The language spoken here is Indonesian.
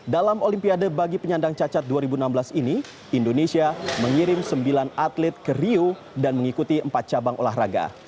dalam olimpiade bagi penyandang cacat dua ribu enam belas ini indonesia mengirim sembilan atlet ke rio dan mengikuti empat cabang olahraga